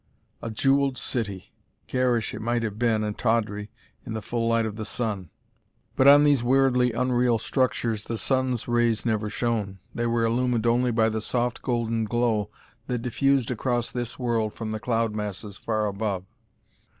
A jewelled city! Garish, it might have been, and tawdry, in the full light of the sun. But on these weirdly unreal structures the sun's rays never shone; they were illumined only by the soft golden glow that diffused across this world from the cloud masses far above.